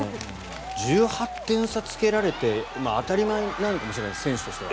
１８点差つけられて当たり前なのかもしれないですが選手としては。